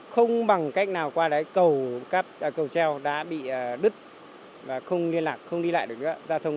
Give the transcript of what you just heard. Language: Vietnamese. không bằng cách nào qua đấy cầu treo đã bị đứt và không liên lạc không đi lại được nữa